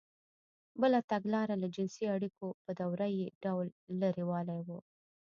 بله تګلاره له جنسـي اړیکو په دورهیي ډول لرېوالی و.